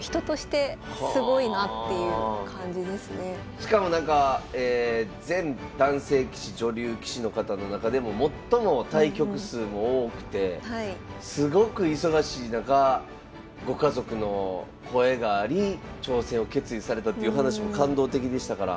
しかもなんか全男性棋士女流棋士の方の中でも最も対局数も多くてすごく忙しい中ご家族の声があり挑戦を決意されたっていう話も感動的でしたから。